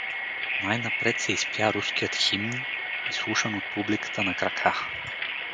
Най-напред се изпя руският химн, изслушан от публиката на крака.